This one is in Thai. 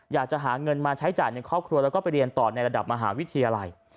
อยากจะหาเงินมาใช้จ่ายในครอบครัวแล้วก็ไปเรียนต่อในระดับมหาวิทยาลัย